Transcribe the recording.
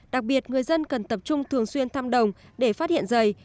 đặc biệt người dân cần tập trung thường xuyên thăm đồng để phát hiện dày